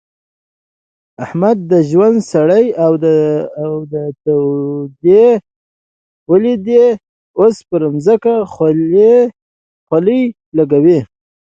احمد د ژوند سړې او تودې وليدې؛ اوس پر ځمکه خولې لګوي.